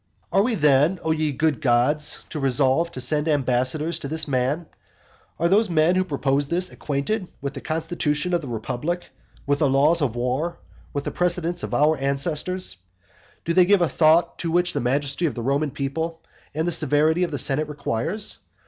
Are we then, O ye good gods, to resolve to send ambassadors to this man? Are those men who propose this acquainted with the constitution of the republic, with the laws of war, with the precedents of our ancestors? Do they give a thought to what the majesty of the Roman people and the severity of the senate requires?